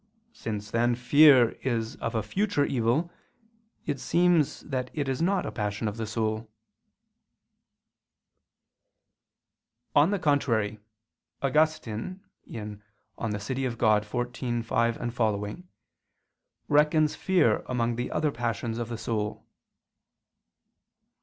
Since, then, fear is of future evil, it seems that it is not a passion of the soul. On the contrary, Augustine (De Civ. Dei xiv, 5, seqq.) reckons fear among the other passions of the soul.